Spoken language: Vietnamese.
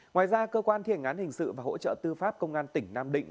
ngoài ra cơ quan thi hành án hình sự và hỗ trợ tư pháp công an tỉnh nam định